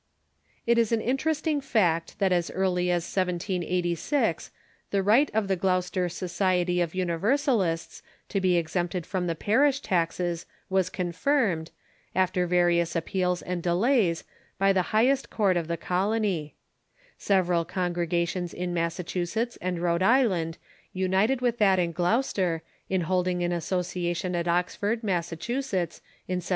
It is an interesting fact that as early as 1*786 the right of the Gloucester Society of Universalists to be exempted from the iiarish taxes was confirmed, after various ai) Organizstion ,^ it, ^, i •, pi , ])eals antl delays, by the highest court ot the col ony. Several congregations in Massachusetts and Rhode Island united with that in Gloucester in holding an associa tion at Oxford, Massachusetts, in 1785.